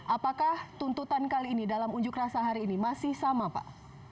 apakah tuntutan kali ini dalam unjuk rasa hari ini masih sama pak